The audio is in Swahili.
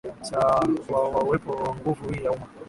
cha wa uwepo wa nguvu hii ya umma